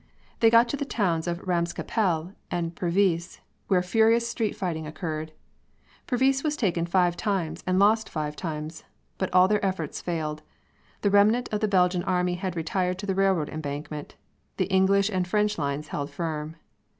They got into the towns of Ramscappelle and Pervyse, where furious street fighting occurred. Pervyse was taken five times and lost five times. But all their efforts failed. The remnant of the Belgian Army had retired to the railroad embankment. The English and French lines held firm.